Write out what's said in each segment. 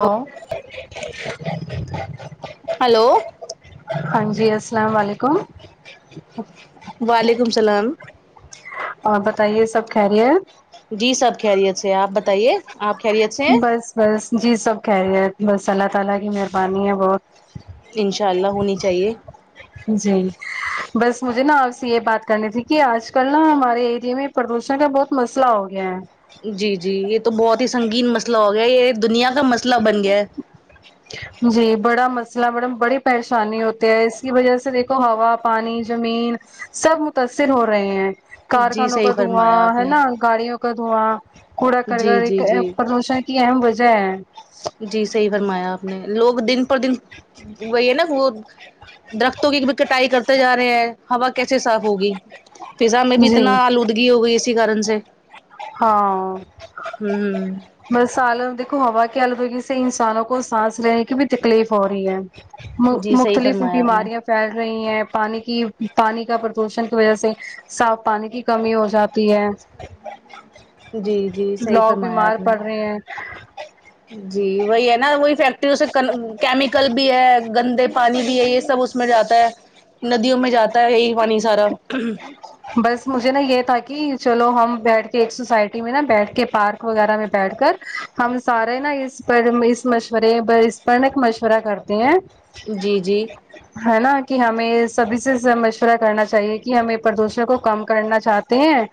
ہاں ہلو ہاں جی السلام وعلیکم وعلیکم اسلام اور بتائیے سب خیریت جی سب خیریت سے ہے آپ بتائیے آپ خیریت سے ہیں بس بس جی سب خیریت بس اللہ تعالی کی مہربانی ہے بہت ان شاء اللہ ہونی چاہیے جی بس مجھے نا آپ سے یہ بات کرنی تھی کہ آج کل نا ہمارے ایریے میں پردوشن کا بہت مسئلہ ہو گیا ہے جی جی یہ تو بہت ہی سنگین مسئلہ ہو گیا یہ دنیا کا مسئلہ بن گیا ہے جی بڑا مسئلہ میڈم بڑی پریشانی ہوتی ہے اس کی وجہ سے دیکھو ہوا پانی زمین سب متاثر ہو رہے ہیں ہے جی کارخانوں صحیح کا فرمایا دھواں آپ ہے نے نا گاڑیوں کا دھواں کوڑا کر جی جی گگر جی پولیشن کی اہم وجہ ہے جی صحیح فرمایا آپ نے لوگ دن پ دن وہی ہے نا وہ درختوں کی بھی کٹائی کرتے جا رہے ہیں ہوا کیسے صاف ہوگی پزا میں بھی جی اتنا آلودگی ہو گئی اسی کارن سے ہاں ہ ہ بس آل دیکھو ہوا کی آلودگی سے انسانوں کو سانس لینے کی بھی تکلیف ہو رہی ہے جی صحیح مختلف فرمایا آپ نے بیماریاں پھیل رہی ہیں پانی کی پانی کا پردوشن کی وجہ سے صاف پانی کی کمی ہو جاتی تی ہے جی جی صحیح لوگ فرمایا بیمار آپ نے پڑ رہے ہیں جی وہی ہے نا وہی فیکٹریوں سے کیمیکل بھی ہے گندے پانی بھی ہے یہ سب اس اس میں جاتا ہے ندیوں میں جاتا ہے یہی پانی سارا بس مجھے نا یہ تھا کہ چلو ہم بیٹھ کے ایک سوسائٹی میں نا بیٹھ کے پارک وغیرہ میں بیٹھ کر ہم سارے نا اس پر اس مشورے پر اس پر نا ایک مشورہ کرتے ہیں جی جی ہے نا کہ ہمیں سبھی سے مشورہ کرنا چاہیے کہ ہمیں پردوشن کو کم کرنا چاہتے ہیں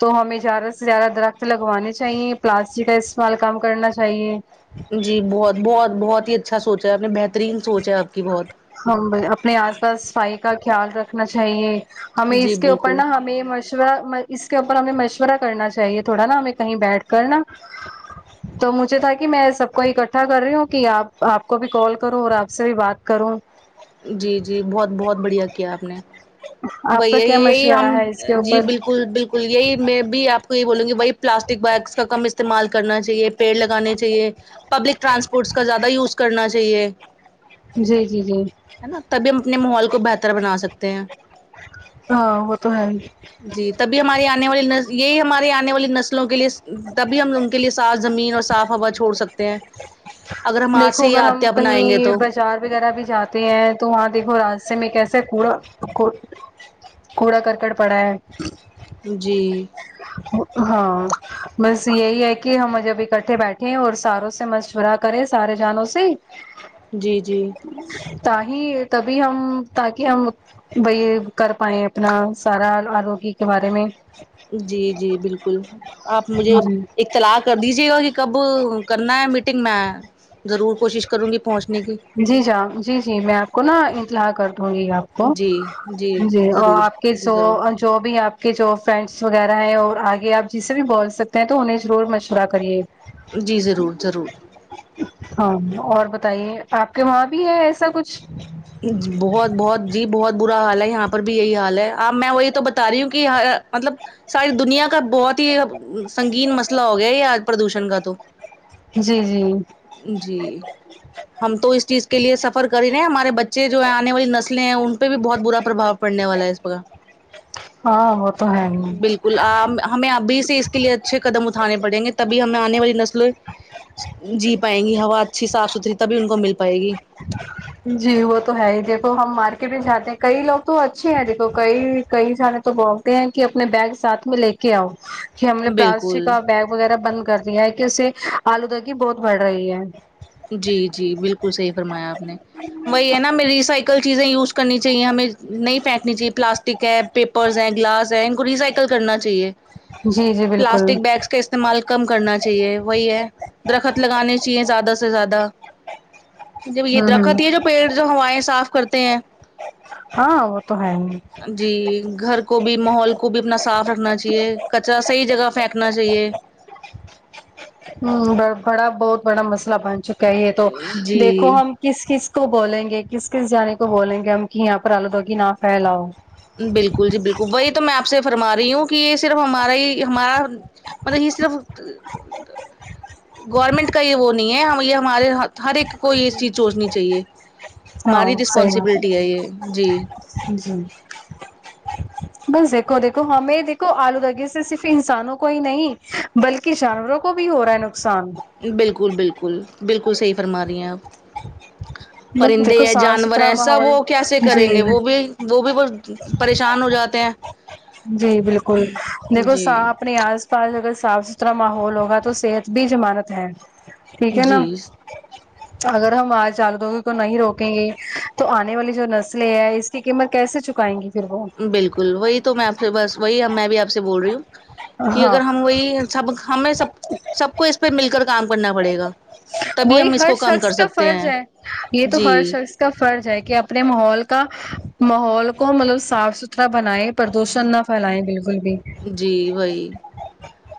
تو ہمیں زیادہ سے زیادہ درخت لگوانے چاہیے پلاسٹک کا استعمال کم کرنا چاہیے جی بہت بہت بہت ہی اچھا سوچا ہے آپ نے بہترین سوچ ہے آپ کی بہت ہم اپنے آس پاس صفائی کا خیال رکھنا چاہیے ہمیں جی اس کے اوپر بالکل نا ہمیں اس کے اوپر ہمیں مشورہ کرنا چاہیے تھوڑا نا ہمیں کہیں بیٹھ کر نا تو مجھے تھا کہ میں سب کو اکٹھا کر رہی ہوں کہ آپ آپ کو بھی کال کروں اور آپ سے بھی بات کروں جی جی بہت بہت بڑھیا کیا آپ نے آپ وہی کا کیا یہی ہم مشورہ ہے اس کے جی اوپر بالکل بالکل یہی میں بھی آپ کو یہ بولوں گی بھائی پلاسٹک بیگس کا کم استعمال کرنا چاہیے پیڑ لگانے چاہیے پبلک ٹرانسپورٹس کا زیادہ یوز کرنا چاہیے جی جی جی ہے نا تبھی ہم اپنے ماحول کو بہتر بنا سکتے ہیں ہاں وہ تو ہے ہی جی تبھی ہماری آنے والی نس یہی ہماری آنے والی نسلوں کے لیے تبھی ہم ان کے لیے صاف زمین اور صاف ہوا چھوڑ سکتے ہیں اگر ہم آج دیکھو سے یہ اگر ہم عادتیں اپنائیں گے کہیں تو باز زار وغیرہ بھی جاتے ہیں تو وہاں دیکھو راستے میں کیسے کوڑا کوڑ کوڑا کرکٹ پڑا ہے جی ہاں بس یہی ہے کہ ہم جب اکٹھے بیٹھے ہیں اور ساروں سے مشورات کرے سارے جنوں سے جی جی تا ہی تبھی ہم تاکہ ہم وہی کر پائے ہیں اپنا سارا آروگی کے بارے میں جی جی بالکل آپ مجھے جی ایک چلا کر دیجیے گا کہ کب کرنا ہے میٹنگ میں ضرور کوشش کروں گی پہنچنے کی جی جاں جی جی میں آپ کو نا اطلاع کر دوں گی آپ جی جی اور ضرور آپ کے جی جو ضرور جو بھی ہے آپ کے جو فرینڈس وغیرہ ہیں اور آگے آپ جسے بھی بول سکتے ہیں تو انہیں ضرور مشورہ کریے جی ضرور ضرور ہاں اور بتائیے آپ کے وہاں بھی ہے ایسا کچھ جی بہت بہت جی بہت برا حال ہے یہاں پر بھی یہی حال ہے اب میں وہی تو بتا رہی ہوں کہ ہا مطلب ساری دنیا کا بہت ہی سنگین مسئلہ ہو گیا یہ آج پردوشن کا تو جی جی جی ہم تو اس چیز کے لیے سففر کر ہی رہے ہیں ہمارے بچے چے جو ہے آنے والی نسلیں ہیں ان پہ بھی بہت برا پربھاؤ پڑنے والا ہے اے سب کا ہاں وہ تو ہے ہی آں ہمیں ابھی سے اس کے لیے اچھے قدم اٹھانے پڑیں گے تبھی ہمیں آنے والی نسلیں جی پائیں گی ہوا اچھی صاف ستھری تبھی ان کو مل پائے گی جی وہ تو ہے ہی دیکھو ہم مارکیٹ میں جاتے ہیں کئی لوگ تو اچھے ہیں دیکھو کئی کئی جنے تو بول تے ہیں کہ اپنے بیگ ساتھ میں لے کے آؤ کہ ہم نے پلاسٹک بالکل کا بیگ وغیرہ بند کر دیا ہے کہ اس سے آلودگی بہت بڑھ رہی ہے جی جی بالکل صحیح فرمایا آپ نے وہی ہے نا ہمیں ریسائ کل چیزیں یوز کرنی چاہیے ہمیں نہیں پھینکنی چاہے پلاسٹک ہے پیپرز ہے گلاس ہے ان کو ریسائیک کل کرنا چاہیے جی جی بالکل پلاسٹک بیگس کے است تعمال کم کرنا چاہیے وہی ہے درخت لگانے چاہیے زیادہ سے زیادہ جب یہ ہوں ہوں درخت ہی ہے جو پیڑ جو ہوائیں صاف کرتے ہیں ہاں وہ تو ہے ہی جی گھر کو بھی ماحول کو بھی اپنا صاف رکھنا چاہیے کچرا صحیح جگہ پھینکنا چاہیے ہوں بڑ بڑا بہت بڑا مسئلہ بن چکا ہے یہ تو جی دیکھو ہم کس کس کو بولیں گے کس کس جنے کو بولیں گے ہم کی یہاں پر آلودگی نہ پھیلاؤ بالکل جی بالکل وہی تو میں آپ سے فرما رہی ہوں کہ یہ صرف ہمارا ہی ہمارا مطلب یہ صرف گورنمنٹ کا ہی یہ وہ نہیں ہے یہ ہم ہمارے ہر ہر ایک کو یہ چیز سوچنی چاہیے ہاں ہماری صحیح بات رسپانسبلٹی ہے یہ جی جی بس دیکھو دیکھو ہمیں دیکھو آلودگی سے صرف انسانوں کو ہی نہیں بلکہ جانوروں کو بھی ہو رہا ہے نقصان بالکل بالکل بالکل صحیح فرما رہی ہیں آپ دیکھو پرندے ہیں صاف جانور ستھرا ہیں سب ماحول وہ کیسے کریں گے جی وہ بھی وہ بھی بہت پریشان ہو جاتے ہیں جی بالکل دیکھو جی ساپ اپنے آس پاس اگر صاف ستھرا ماحول ہوگا تو صحت بھی جمانت ہے ٹھیک ہے جی نا اگر ہم آج الودگی کو نہیں روکیں گے تو آنے والی جو نسلیں ہے اس ٹھیکمر کیسے چکائیں گی پھر وہ بالکل وہی تو میں آپ سے بس وہی میں بھی آپ سے بول رہی ہوں کہ ہاں اگر ہم وہی سب ہمیں سب سب کو اس پہ مل کر کام کرنا پڑے گا تبھی وہی ہم اس ہر کو کم کر شخص کا سکتے فرض ہیں ہے یہ تو جی ہر شخص اس کا فرض ہے کہ اپنے ماحول کا ماحول کو مطلب صاف ستھرا بنائے پردوشن نہ پھیلیں بالکل بھی جی وہی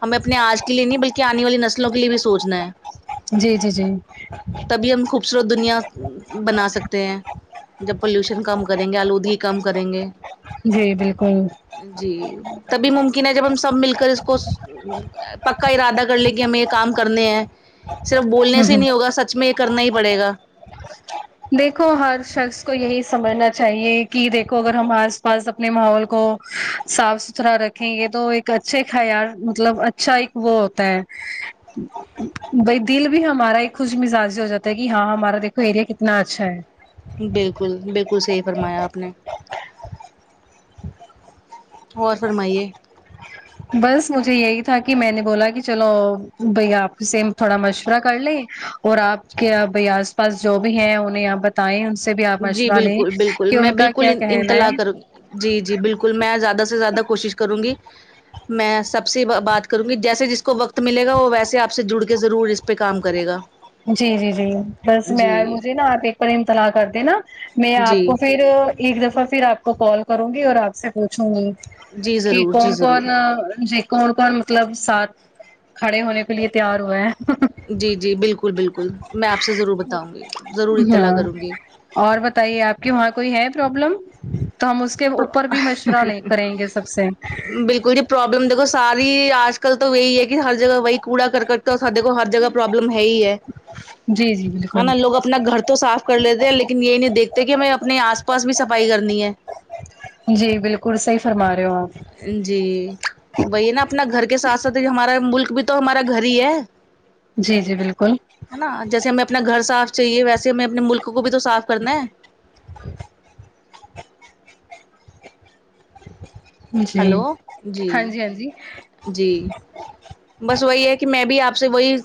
ہمیں اپنے آج کے لیے نہیں بلکہ آنے والی نسلوں کے لیے بھی سوچنا ہے جی جی جی تبھی ہم خوبصورت دنیا بنا سکتے ہیں جب پولوشن کم کریں گے آلودگی کم کریں گے جی بالکل جی تبھی ممکن ہے جب ہم سب مل کر اس کو پکا ارادہ کر لے کہ ہمیں یہ کام کرنے ہیں صرف بولنے ہ سے ہی ہ نہیں ہوگا سچ میں یہ کرنا ہی پڑے گا دیکھو ہر شخص کو یہی سمجھنا چاہیے کہ دیکھو اگر ہم آس پاس اپنے ماحول کو صاف ستھرا رکھیں یہ تو ایک اچھے خیال مطلب ا چھا ایک وہ ہوتا ہے بھائی دل بھی ہمارا ہی خوش مزاجی ہو جاتا ہے کہ ہاں ہمارا دیکھ ایریا کتنا اچھا ہے بالکل بالکل صحیح فرمایا آپ نے اور فرمائیے بس مجھے یہی تھا کہ میں نے بولا کہ چلو بھ آپپی سے تھوڑا مشورہ کر لیں اور آپ کے یہ ب آس پاس جو بھی ہے انہیں یہ ب تائیں ان سے بھی آپ جی مشورہ لیں بالکل بالکل کہ میں ان کا کیا بالکل کہنا ہے انطلاع کروں جی جی بالکل میں زیادہ سے زیادہ کوشش کروں گی میں سب سے بات کروں گی جیسے جس کو وقت ملے گا وہ ویسے آپ سے جڑ کے ضرور اس پہ کام کرے گا جی جی جی بس میں جی مجھے نا آپ ایک بار امطلاع کر د نا میں آپ جی کو پھر ایک دفعہ پھر آپ کو کال کروں گی اور آپ سے پوچھوں جی کہ ضرور جی کون ضرور کون ج کون کون مطلب ساتھ کھڑے ہونے کے لیے تیار ہوئے ہیں جی جی بالکل بالکل میں آپ سے ضرور بتاؤں گی ضرور اطلاع ہاں کروں گی اور بتائیے آپ کے وہاں کوئی ہے پرابلم تو ہم اس کے اوپر بھی مشورہ لے کریں گے سب سے بل کو پروابلم دیکھو ساری آج کل تو یہی ہے کہ ہر جگہ وہی کوڑا کرکٹ تو سدے کو ہر جگہ پروابلم ہے ہی ہے جی جی بالکل نا لوگ اپنا گھر تو صاف کر لیتے ہیں لیکن یہ نہیں دیکھتے کہ ہمیں اپنے آس پاس بھی صفائی کرنی ہے جی بالکل صحیح فرما رہے ہو آپ جی وہی نا اپنا گھر کے ساتھ ساتھ ہمارا ملک بھی تو ہمارا گھر ہی ہے جی جی بالکل ہے نا جیسے ہمیں اپنا گھر صاف چاہیے ویسے ہمیں اپنے ملک کو بھی تو صاف کرنا ہے جی ہلو ہاں جی ہاں جی جی بس وہی ہے کہ میں بھی آپ سے وہی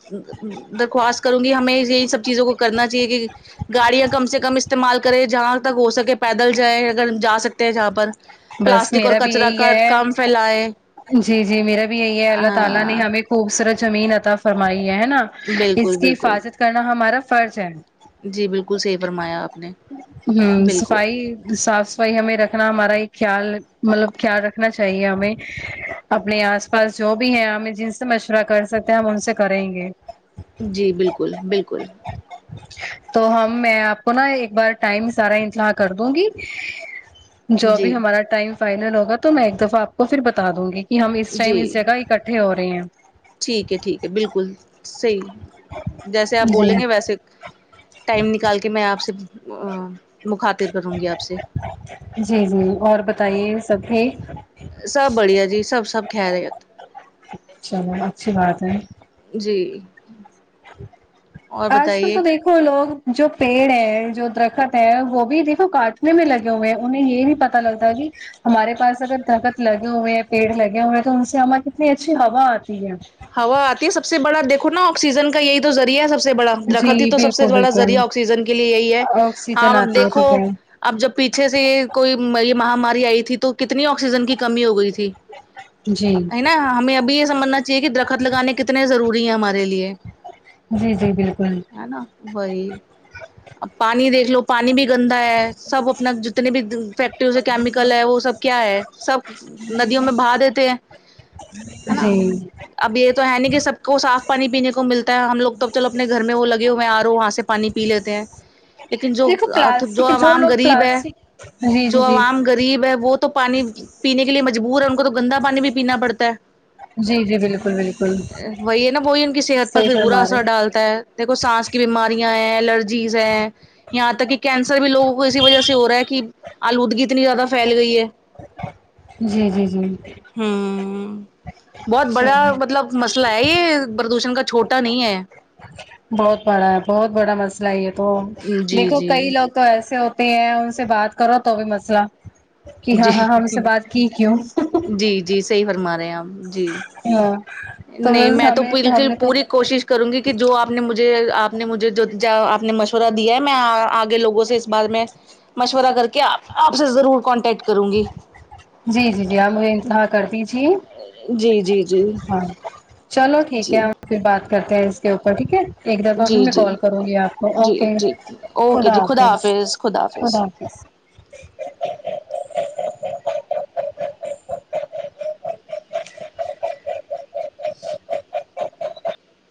درخواست کروں گی ہمیں یہ سب چیزوں کو کرنا چاہیے کہ گاڑیاں کم سے کم استعمال کرے جہاں تک ہو سکے پیدل جائے اگر جا سکتے ہیں جہاں پر بس پلاسٹک اور میرا بھی کچرا یہی کا ہے کم پھیلائے جی جی میرا بھی یہی ہے اللہ تعالی نے ہاں ہمیں خوبصورت زمین عطا فرمائی ہے ہے نا اس بالکل کی بالکل حفاظت کرنا ہمارا فرض ہے جی بالکل صحیح فرمایا آپ نے ہوں بالکل صفائی صاف ائی ہمیں رکھنا ہمارا خیال مطلب خیال رکھنا چاہیے ہمیں اپنے آس پاس جو بھی ہے ہمیں جن سے مشورہ کر سکتے ہیں ہم ان سے کریں گے جی بالکل بالکل [inaudible] تو ہم میں آپ کو نا ایک بار ٹائم سارا اطلاع کر دوں گی جو بھی جی ہمارا ٹائم فائنل ہوگا تو میں ایک دفعہ آپ کو پھر بتا دوں گی کہ ہم اس ٹائم جی اس جگہ اکٹ ہو رہے ہیں ٹھیک ہے ٹھیک ہے بالکل صحیح جیسے آپ جی بولیں گے ویسے ٹائم نکال کے میں آپ سے مخاطر کروں گی آپ سے جی جی اور بتائیے سب ٹھیک سب بڑھیا جی سب سب خیریت چلو اچھی بات ہے جی اور آج کل بتائیے تو دیکھ لوگ جو پیڑ ہیں جو درخت ہے وہ بھی دیکھو کاٹنے میں لگے ہوئے ہیں انہیں یہ بھی پتا پتتا لگ ہے [unintelligible] ہمارے پاس اگر درخت لگے ہوئے ہیں پیڑ لگے ہوئے ہیں تو ان سے ہماری کتنی اچھی ہوا آتی ہے ہوا آتی ہے سب سے بڑا دیکھو نا آکسیجن کا یہی تو ذریعہ ہے سب سے بڑا درخت ہی جی تو سب سے بالکل بڑا بالکل ذریعہ آکسیجن کے لیے یہی ہے ہاں آکسیجن اب آتی ہے دیکھو ٹھیک ہے اب جب پیچھے سے یہ کوئی می مہاماری آئی تھی تو کتنی آکسیجن کی کمی ہو گئی تھی جی ہے نا ہمیں ابھی یہ سمجھنا چاہیے کہ درخت لگانے کتنے ضروری ہیں ہمارے لیے جی جی بالکل ہے نا وہی اب پانی دیکھ لو پانی بھی گندا ہے سب اپنا جتنے بھی فیکٹریوں سے کیمیکل ہے وہ سب کیا ہے سب ندیوں میں بہا دیتے ہے ہے نا جی اب یہ تو ہے نا کہ سب کو صاف پانی پینے کو ملتا ہے ہم لوگ تب چلو اپنے گھر میں وہ لگے ہوئے ہیں آر او وہاں سے پانی پی لیتے ہیں [inaudible] لیکن جو دیکھو جو پلاسٹک عوام لوگ غریب ہے پلاسٹک جی جی جو جی عوام غریب ہے وہ تو پانی پینے کے لیے مجبور ہے ان کو تو گندا پانی بھی پینا پڑتا ہے جی جی بالکل بالکل وہی ہے نا وہی ان کی صحت پر صحیح پھر برا فرما اثر رہے ڈالتا ہے دیکھو سانس کی بیماریاں ہیں الرجی جیز ہے یہاں تک کہ کینسر بھی لوگوں کو اسی وجہ سے ہو رہا ہے کہ آلودگی اتنی زیادہ پھیل گئی ہے جی جی جی ہوں بہت بڑا مطلب مسئلہ ہے یہ پردوشن کا چھوٹا نہیں ہے بہت بڑا ہے بہت بڑا مسئلہ ہے یہ تو ہے جی دیکھو جی کئی لوگ تو ایسے ہوتے ہیں ان سے بات کرو تو بھی مسئلہ کہ ہاں جی ہاں ہاں ہم سے بات کی کیوں جی جی صحیح فرما رہے ہیں آپ جی ہاں تو نہیں بس میں تو ہمیں ہم بالکل نے تو پوری کوشش کروں گی کہ جو آپ نے مجھے آپ نے مجھے جو آپ نے مشورہ دیا ہے میں آگے لوگوں سے اس بارے میں مشورہ کر کے آپ سے ضرور کانٹیکٹ کروں گی جی جی جی آپ مجھے انتہا کر دیجیے جی جی جی ہاں چلو ٹھیک ہے جی ہم پھر بات کرتے ہیں اس کے اوپر ٹھیک ہے ایک دفعہ پھر جی میں جی کال کرونگی آپ کو اوکے خدا حافظ خدا حافظ